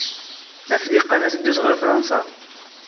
ⵎⴰⴼ ⴷ ⵉⵇⵇⴰⵏ ⴰⴷ ⵜⴷⴷⵓⴷ ⵖⵔ ⴼⵕⴰⵏⵙⴰ?